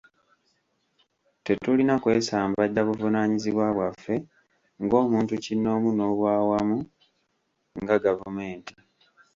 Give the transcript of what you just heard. Tetulina kwesambajja buvunaanyizibwa bwaffe ng'omuntu kinnoomu n'obwawamu nga gavumenti.